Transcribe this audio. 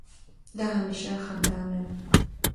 دا هميشه خندانه وي